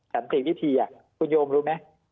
สันติวิธีคุณโยมรู้ไหม